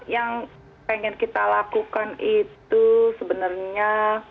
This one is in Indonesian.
yang pengen kita lakukan itu sebenarnya